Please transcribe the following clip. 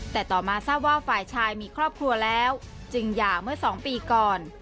แต่ต่อมาทราบว่าฝ่ายชายมีครอบครัวแล้วจึงหย่าเมื่อ๒ปีก่อน